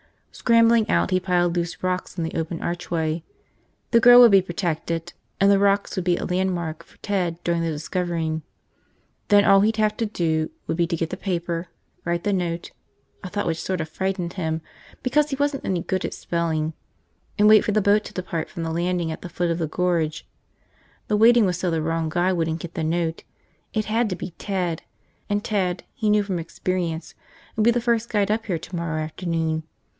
Scrambling out, he piled loose rocks in the open archway. The girl would be protected, and the rocks would be a landmark for Ted, doing the discovering. Then all he'd have to do would be to get the paper, write the note, a thought which sorta frightened him because he wasn't any good at spelling, and wait for the boat to depart from the landing at the foot of the Gorge. The waiting was so the wrong guy wouldn't get the note. It had to be Ted. And Ted, he knew from experience, would be the first guide up here tomorrow afternoon.